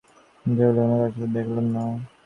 তিনি টেবিলে কোনো কাগজপত্র দেখলেন না।